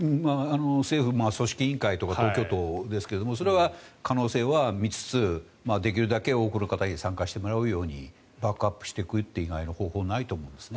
政府、組織委員会とか東京都ですけどそれは可能性は見つつできるだけ多くの方に参加してもらうようにバックアップしていくという以外の方法はないと思うんですね。